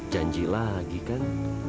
janji lagi kan